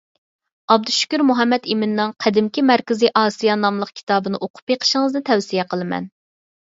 ئابدۇشۈكۈر مۇھەممەتئىمىننىڭ «قەدىمكى مەركىزىي ئاسىيا» ناملىق كىتابىنى ئوقۇپ بېقىشىڭىزنى تەۋسىيە قىلىمەن.